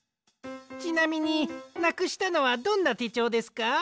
ちなみになくしたのはどんなてちょうですか？